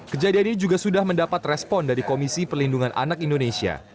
kejadian ini juga sudah mendapat respon dari komisi perlindungan anak indonesia